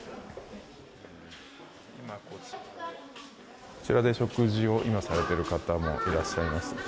こちらで食事を今されている方もいらっしゃいます。